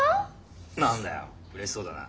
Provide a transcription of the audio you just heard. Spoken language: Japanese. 何だようれしそうだな。